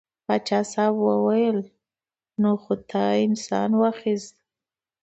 پاچا صاحب وویل نو خو تا انسان واخیست.